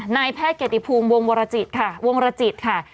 นายแพทย์เกตติภูมิวงวรจิตค่ะ